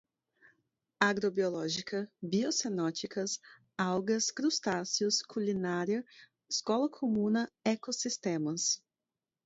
agro-biológica, biocenóticas, algas, crustáceos, culinária, escola-comuna, ecossistemas